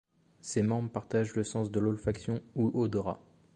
Ses membres partagent le sens de l'olfaction, ou odorat.